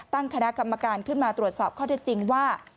ตั้งคณะกรรมการขึ้นมาตรวจสอบข้อเท็จจริงว่า